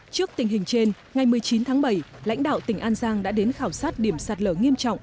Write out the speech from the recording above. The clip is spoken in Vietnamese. trước tình hình trên ngày một mươi chín tháng bảy lãnh đạo tỉnh an giang đã đến khảo sát điểm sạt lở nghiêm trọng